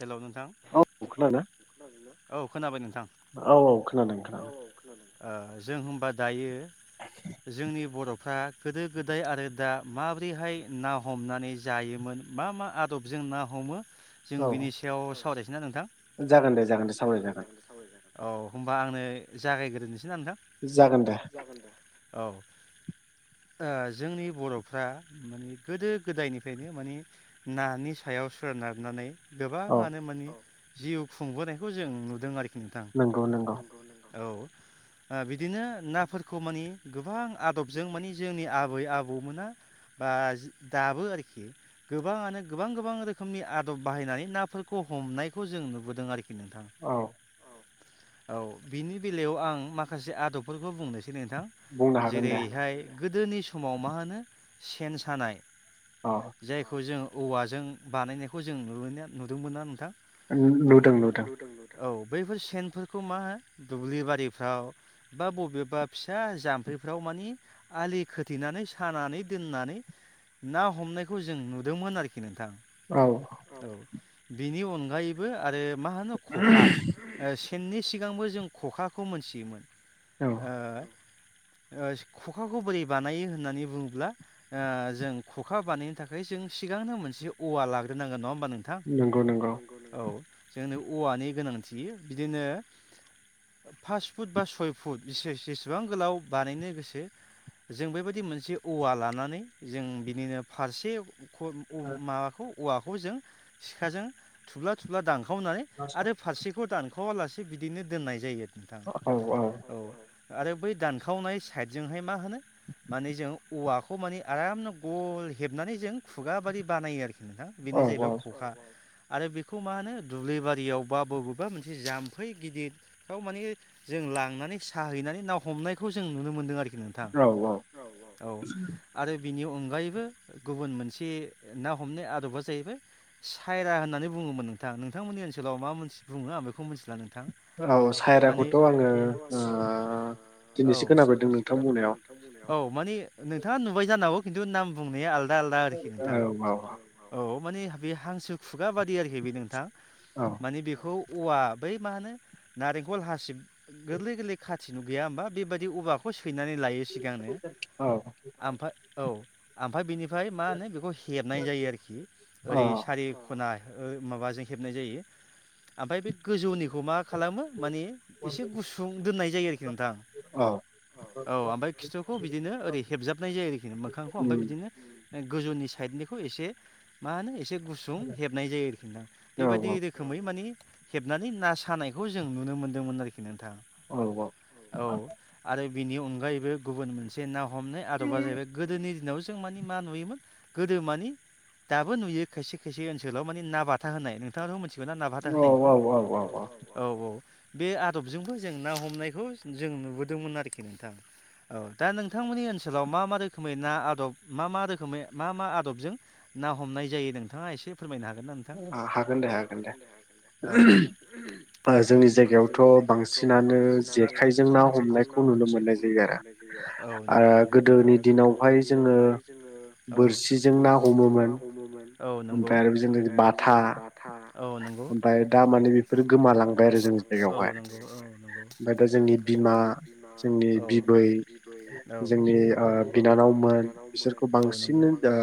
हेल' नोंथां औ खोनाबाय नोंथां औ औ खोनादों खोनादों जों हबा दायो जोंनि बर' फ्रा गोदो गोदाय आरो दा माब्रैहाय ना हमनानै जायोमोन मा मा आदबजों ना हमो जों बिनि सायाव सावरायस ना नोंथां द औ होनबा आंनो जागायग्रोसैना नोंथां जागोन दे औ ओ जोंनि बर'फ्रा माने गोदो गोदायनिफ्रायनो माने नानि स सायाव सानारनानै गोबाङानो माने जिउ खुंबोनायखौ जों नुदों आरोखि नंगौ नंगौ औ ओ बिदिनो नाफोरखौ मानिे गोबां आदबजों मानिे जोंनि आबै आबौमोना बा दाबो आरोखि गोबाङानो गोबां गोबां रोखोमनि आदब बाहायनानै नाफोरखौ हमनायखौ जों नुबोदों आरोखि नोंथाङा औ औ बिनि बेलायाव आं माखासे आदबफोरखौ बुंनोसै नोंथां जेरैहाय गोदोनि समाव मा होनो सेन सानाय जायखौ जों औवाजों बानायनायखौ जों न नुदोंमोन नना नोंथां नुदों नुदों औ बैफोर सेनफोरखौ मा होन दुब्लि बारिफ्राव बा बबेबा फिसा जाम्फै फ्राव माने आलि खोथेनानै सानानै दोननानै ना हमनायखौ जों नुदोंमोन आरोखि नोंथां औ। औ बिनि अनगायैबो आरो मा होनो खखा ओ सि खेननि सिगांबो जों खखाखौ मोनथियोमोन ओ ओस खखाखौ बोरै बानायो होननानै बुङोब्ला ओ जों खखा बानायनो थाखाय जो जों सिगांनो मोनसे औवा लाग्रोनांगोन। नङा होमबा नोंथां? औ। जोंनो औवानि गोनांथि बिदिनो पास फुट बा सय फुट बेसेस जेसेबां गोलाव बानायनो गोसो जों बेबायदि मोनसे औवा लानानै जों बिदिनो फारसे अ - अ माबाखौ औवाखौ जों सिखाजों थुब्ला - थुब्ला दांख दानखावनानै आरो फारसेखौ दानखावालासे बिदिनो दोननाय जायो नोंथां औ आरो बै दानखावनाय साइडजोंहाय मा होनो? माने जों औवाखौ माने आरामनो गल हेबनानै जों खुगा बादि बानायो आरोखि। नोंथां बेनो जाहैबाय खखा। आरो बेखौ मा होनो दुब्लि बारियाव बा बबेबा मोनसे जाम्फै गिदिराव माने जों जों लांनानै साहैनानै ना हमनायखौ जों नुनो मोनदों आरोखि नोंथां औ - औ - औ आरो बिनि अनगायैबो गुबुन मोनसे ना हमनाय आदबा जाहैबाय सायरा होननानै बुङोमोन नोंथां नोंथांमोननि ओनसोलाव मा मोनसे बुङो आं बेखौ मिन्थिला नों औ। माने सायराखौथ' आङो औ दि खोन औ माने नोंथाङा नुबाय जानांगौ खिन्थु नाम बुंनाया आलदा आलदा आरोखि नोंथां औ। माने बे हांसो खुगा बादि आरोखि बे नोंथां माने बेखौ औवा बै मा होनो नारेंखल हासिब गोरलै गोरलै खाथि नु गैया होमबा बेबायदि औवाखौ फैनानै लायो सिगांनो। आमफाय औ आमफाय बेनिफ्राय मा होनो बेखौ हेबनाय जायो आरोखि। ओरै सारि खना ओ माबाजों हेबनाय जायो ओमफाय बे गोजौनिखौ मा खालामो माने एसे गुसुं दोननाय जायो आरोखि नोंथां। औ ओमफाय खिथुखौ बिदिनो ओरै हेबजाबनाय जायो आरोखि मोखांखौ ओमफाय बिदिनो गोजौनि साइडनिखौ एसे मा होनो एसे गुसुं हेबनाय जायो आरोखि ना बेबायदि रोखोमै माने हेबनानै ना सानायखौ जों नुनो मोन्दोंमोन आरोखि। नोंथां औ आरो बिनि अनगायैबो गुबुन मोनसे नाव हमनाय आदबा जाहैबाय गोदोनि दिनाव जों मानि मा नुयोमोन गोदो मानि दाबो नुयो खायसे - खायसे ओनसोलाव मानि ना बाथा होननाय नोंथाङाथ' मोनसे गो ना ना बाथा होननायखौ औ - औ - औ। बे आदबजोंबो जों ना हमनायखौ जों नुबोदोंमोन आरोखि नोंथां। औ दा नोंथांमोननि ओनसोलाव मा - मा रोखोमै ना आदब मा - मा रोखोमै मा - मा आदबजों? ना हमनाय जायो नोंथाङा एसे फोरमायनो हाग हागोन दे हागोन दे जोंनि जायगायावथ' बांसिन बांसिनानो जेखायजों ना हमनायखौ नुनो मोननाय जायो आरो ओ गोदोनि दिन गोदोनि दिनावहाय जोङो औ बोरसिजों ना हमोमोन औ नंगौ ओमफ्राय आरो बिदिनो बाथा औ नंगौ ओमफाय दा माने बेफोरो गोमालांबाय औ नंगौ औ। ओमफ्राय दा जोंनि बिमा जोंनि बिबै जोंनि ओ बिनान नानावमोन बिसोरखौ बांसिन ओ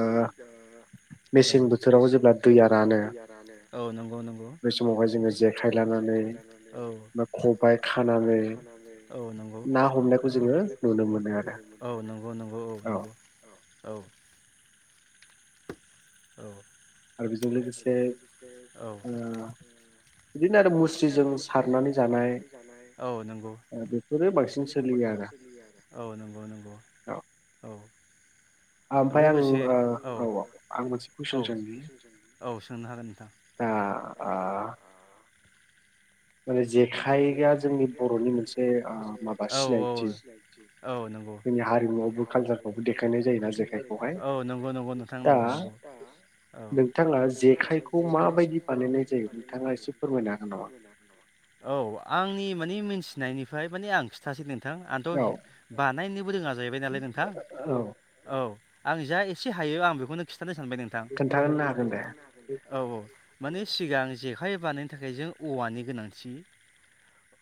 मेसें बोथोराव जेब्ला दैआ जेब्ला दैया रानो औ नंगौ नंगौ बे समावहाय जोङो जेखाइ लानानै खाइ खबाइ खानानै औ नंगौ ना हमनायखौ जोङो नुनो मोनो औ नंगौ नंगौ औ। औ नंगौ औ - औ - औ। आरो बिजों लोगोसे ओ बिदिनो आरो मुस्रिजों सारनानै जानाय बेफोरो बांसिन सोलियो आरो औ नंगौ नंगौ औ। ओमफाय आं ओ औ औ आं मोनसे कुइसन सोंनि औ सोंनो हागोन नोंथां। माने जेखाइया जोंनि बरनि मोनसे ओ माबा सिनायथि जोंनि हारिमुआवबो कालसारखौबो देखायनाय जायोना जेखायखौहाय दा नोंथाङा जेखाइखौ माबायदि बानायनाय जायो नोंथाङा एसे फोरमायनो हागोन नामा औ आंनि मानि मिथिनायनिफ्राय माने आं खिथासै नोंथां आंथ बानायनोबो रोङा जाहैबाय नालाय नोंथां औ आं जा एसे हायो आं बेखौनो खिथानो सानबाय नोंथां औ औ माने सिगां जे खाइ बानायनो थाखाय जों औवानि गोनांथि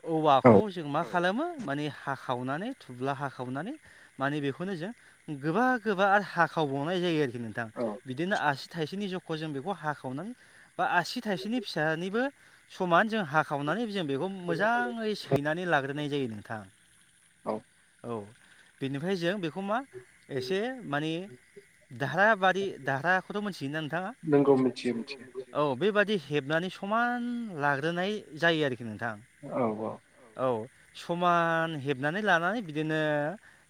औवाखौ जों मा खालामो माने हाखावनानै थुब्ला हाखावनानै माने बेखौनो जों गोबा गोबा आरो हाखावबावनाय जायो आरो नोंथां बिदिनो आसि थाइसेनि जखा जों बेखौ हाखावनानै बा आसि थाइसेनि फिसानिबो समान जों हाखावनानै जों बेखौ मोजाङै सैनानै लाग्रोनाय जायो नोंथां औ बेनिफ्राय जों बेखौ मा एसे माने दाहाराबादि दाहाराखौथ' मोनथियोना नोंथाङा? नोंगौ मिथियो औ बेबादि हेबनानै समान लाग्रोनाय जायो आरोखि नोंथां औ समान हेबनानै लानानै बिदिनो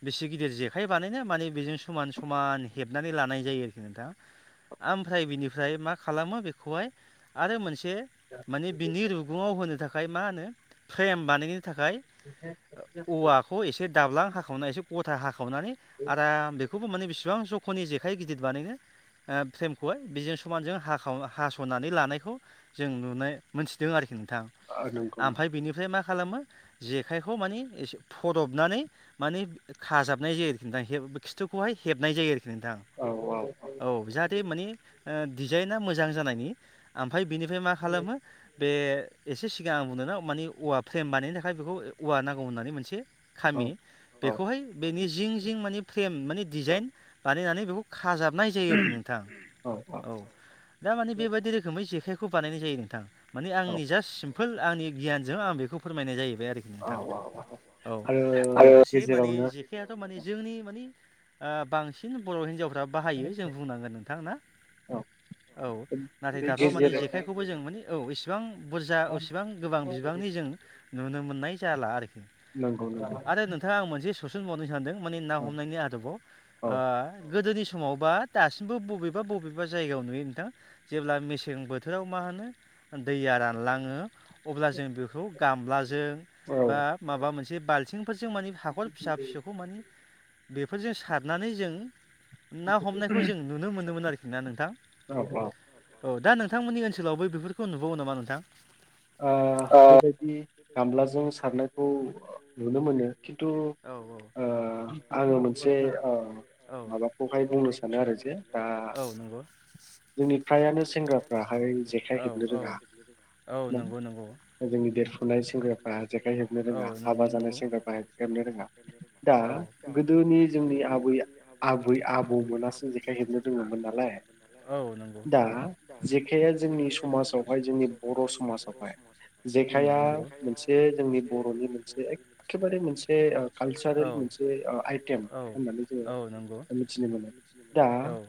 बेसे गिदिर जेखाइ बानायनो माने बेजों समान सम समान हेबनानै लानाय जायो आरोखि नोंथां। ओमफ्राय बिनिफ्राय मा खालामो बेखौहाय आरो मोनसे माने बिनि रुगुङाव होनो थाखाय मा होनो फ्रेम बानायनो थाखाय औवाखौ एसे दाबला हाखावना एसे गथा हा खावनानै आरो बेखौबो माने बिसेबां जखनि जेखाइ गिदिर बानायनो फ्रेमखौहाय बेजों समानजों हाखाव हासनानै लानायखौ जों नुनाय मोनथिदों आरोखि नोंथाङा आमफाय बिनिफ्राय मा? मा खालामो जेखाइखौ माने एसे फदबनानै माने खाजाबनाय जायो आरोखि नोंथां हेब खिथुखौहाय हेबनाय जायो आरोखि। नोंथां औ जाहाथे माने ओ डिजाइना मोजां जानायनि ओमफाय बिनिफ्राय मा खालामो बे एसे सिगां आं बुंनोना माने औवा फ्रेम बानायनो थाखाय बेखौ औवा नांगौ होननानै मोनसे खामि बेखौहाय बेनि जिं जिं माने फ्रेम माने डिजाइन बानायनानै बेखौ खाजाबनाय जायो आरोखि नोंथां औ दा माने बेबायदि रोखोमै जेखाइ बे खौ बानायनाय जायो नोंथां माने आंनि जास्ट सिमपोल आंनि गियानजों आं बेखौ फोरमायनाय जायो आरोखि नोंथां औ लोगोसे माने जेखाइआथ माने जोंनि माने बांसिन बर हिनजावफ्रा बाहायो जों बुंनांगोन नोंथां ना औ नाथाय दाथ माने जेखायखौबो जों माने औ इसे बेसेबां बुरजा एसेबां गोबां बिबांनि जों नुनो मोननाय जाला आरोखि औ आरो नोंथाङा आं मोनसे सोसनबावनो सानदों माने ना हमनायनि आदबाव ओ गोदोनि सम समावबा दासिमबो बबेबा बबेबा जायगायाव नुयो नोंथां जेब्ला मेसें बोथोराव मा होनो दैया रा लाङो अब्ला जों बेखौ गामलाजों बा माबा मोनसे बालथिं फोरजों मानि हाखर फिसा फिसौखौ माने बेफोरजों सारनानै जों ना हमनायखौ जों नुनो मोनोमोन आरोखि ना नोंथां। औ दा नोंथांमोननि ओनसोलावबो बेफोरखौ नुबावो नामा नोंथां? बेबायदि गामलाजों सारनायखौ नुनो मोनो खिन्थु ओ आङो मोन औ औ नंगौ जोंनि फ्रायानो सेंग्राफ्रा हाय जेखाइ हेबनो रोङा औ नंगौ नंगौ जोंनि देरफुनाय सेंग्राफ्रा जेखाइ हेबनो रोङा हाबा जानाय सेंग्राफ्रा जेखाय हेबनो रोङा दा गोदोनि जोंनि आबै आबै आबौ मोनासो जेखाय हेबनो रोङामोन नालाय दा जेखाया जोंनि समाजावहाय जोंनि बर समाजावहाय जेखाया मोनसे जोंनि बर'नि मोनसे एखेबारे मोनसे कालसारेल मोनसे आइटेम होननानै जोङो मिथिनो मोनो औ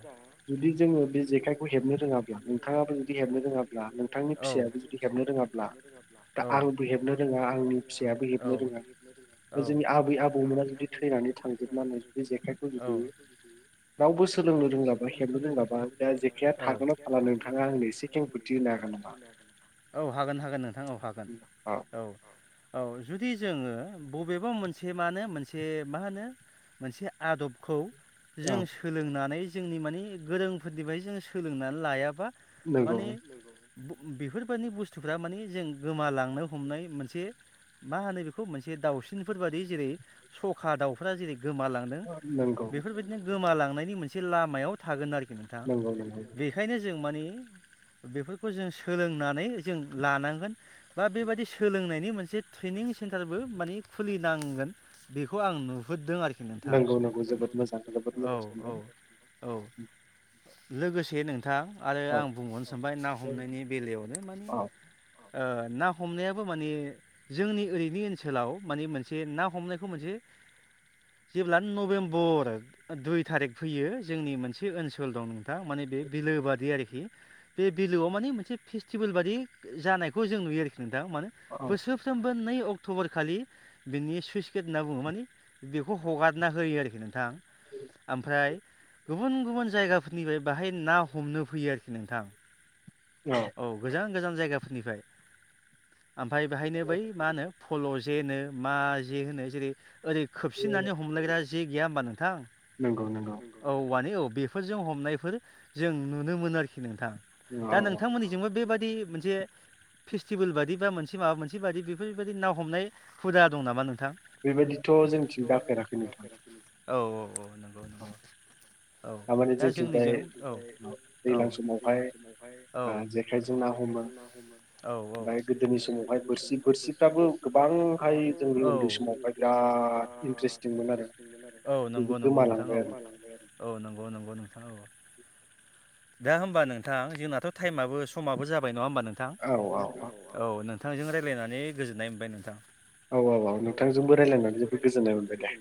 जुदि जोङो बे जेखायखौ हेबनो रोङाब्ला नोंथाङाबो जुदि हेबनो रोङाब्ला नोंथांनि फिसायाबो जुदि हेबनो रोङाब्ला दा आंबो हेबनो रोङा आंनि फिसायाबो हेबनो रोङा जोंनि आबै आबौमोना जुदि थैनानै थांजोबनानै जुदि जेखाइखौ जुदि रावबो सोलोंनो रोंङाबा हेबनो रोंङबा जेखाया थागोन ना थाला नोंथाङा आंनो एसे खेंगथि औ हागोन हागोन नोंथां औ हागोन औ औ जुदि जोङो बबेबा मोनसे मा होन मोनसे मा होनो मोनसे आदबखौ जों सोलोंनानै जोंनि माने गोरोंफोरनिफ्राय जोंङ सोलोंनानै लायाबा माने बेफोरबायदि बुस्थुफ्रा माने जों गोमालांनो हमनाय मोनसे मा होनो बेखौ मोनसे दाउसिनफोर बादि जेरै सखा दाउ फोर जेरै गोमालांदों बेफोरबायदिनो गोमालांनायनि मोनसे लामायाव थागोन आरोखि नोंथाङा बेखायनो जों माने बेफोरखौ जों सोलोंनानै जों लानांगोन बा बेबादि सोलोंनायनि मोनसे ट्रेनिं सेन्टार माने खुलिनांगोन बेखौ आं नु दों आरोखि नोंथां औ औ औ लोगोसे नोंथां आरो आं बुंबावनो सानबाय ना हमनायनि बेलायावनो माने ना हमनायाबो माने जोंनि ओरैनि ओनसोलाव माने मोनसे ना हमनायखौ मोनसे [inaudible] जेब्ला नभेम्बर दुइ थारिख फैयो जोंनि मोनसे ओनसोल दं नोंथाङा माने बे बिल बादि आरोखि बे बिलोआव माने मोनसे फेस्टिभेल बादि जानायखौ जों नुयो आरोखि नों दा मानोे बोसोरफ्रोमबो नै अक्ट'बरखालि बिनि सुइस गेट होनना बुङो माने बेखौ हगारना होयो आरोखि नोंथां ओमफ्राय गुबुन गुबुन जायगाफोरनिफ्राय बाहाय ना हमनो फैयो आरोखि नोंथां औ गोजान गोजान जायगाफोरनिफ्राय ओमफ्राय बेहायनो बै मा होनो फल' जे होनो मा जे होनो जेरै ओरै खोबसिननानै हमलायग्रा जे गैया होमबा नोंथां औवानि औ बेफोरजों हमनायफोर जों नुनो मोनो आरोखि नोंथां औ आंनिजोंबो बेबायाददि मोनसे फेस्टिभेल बायदि बा मोनसे माबा मोनसे बायि बेफोरबायाददि नाव हमनाय हुदा दं नामा नों थां औ औ औ नंगौ नंगौ औ दा जोंनिजों औ औ दैलां समावहाय औ जेखायजों ना हमो औ औ ओमफ्राय गोदोनि समावहाय बोरसि बोरसिफ्राबो गोबां औे औ नंगौ नंगौ नोंथां औ [inaudible] औ नंगौ नोंथाङा अ दा होमबा नोंथां जोंनाथ' टाइमाबबो समाबो जाबाय नङा होमबा नोंथां औ नों बिथांजों रायज्लायनानै गोजोननाय मोनबाय नोंथां औ औ औ नोंथांजोंबो रायजलायनानै जोबोद गोजोननाय मोनबाय दे